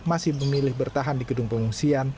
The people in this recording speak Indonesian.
masih memilih bertahan di gedung pengungsian